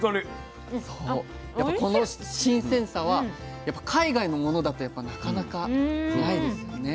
やっぱこの新鮮さは海外のものだとなかなかないですよね。